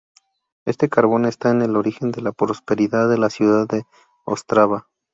Este carbón está en el origen de la prosperidad de la ciudad de Ostrava.